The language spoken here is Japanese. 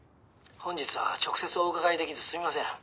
「本日は直接お伺いできずすいません」